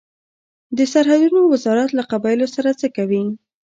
د سرحدونو وزارت له قبایلو سره څه کوي؟